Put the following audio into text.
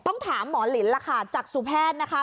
ต้องถามหมอลินล่ะค่ะจากสุแพทย์นะคะ